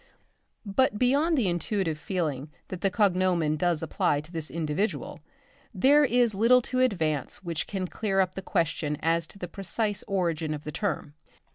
But beyond the intuitive feeling that the cognomen does apply to this individual, there is little to advance which can clear up the question as to the precise origin of the term.